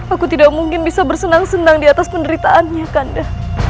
aku tidak mungkin bisa bersenang senang di atas penderitaannya kanda